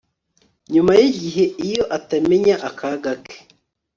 Nyuma yigihe iyo atamenya akaga ke